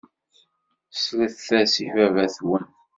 Slet-as i baba-twen.